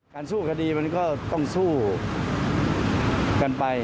สู้คดีมันก็ต้องสู้กันไป